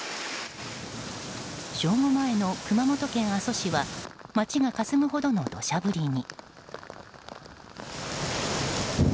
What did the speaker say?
正午前の熊本県阿蘇市は町がかすむほどの、どしゃ降りに。